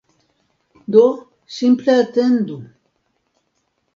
Do, simple atendu